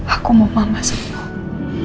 aku mau mama selalu